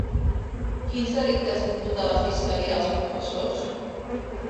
Quins delictes imputa la fiscalia als professors?